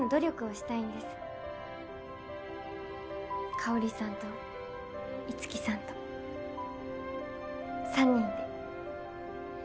香さんと樹さんと３人で。